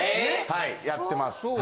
はいやってます。